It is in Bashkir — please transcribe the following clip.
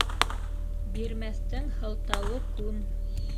Бирмәҫтең һылтауы күн.